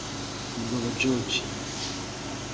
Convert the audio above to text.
Mugabo George